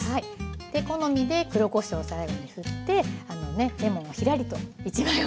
好みで黒こしょうを最後にふってレモンをひらりと１枚置くとまたすてきなね